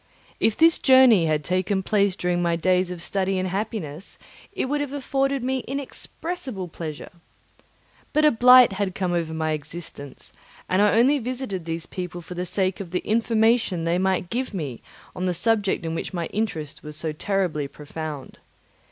If this journey had taken place during my days of study and happiness, it would have afforded me inexpressible pleasure. But a blight had come over my existence, and I only visited these people for the sake of the information they might give me on the subject in which my interest was so terribly profound.